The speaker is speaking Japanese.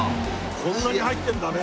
こんなに入ってるんだね。